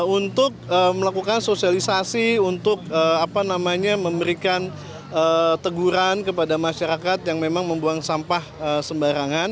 untuk melakukan sosialisasi untuk memberikan teguran kepada masyarakat yang memang membuang sampah sembarangan